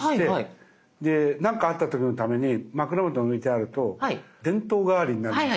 で何かあった時のために枕元に置いてあると電灯代わりになるなんて。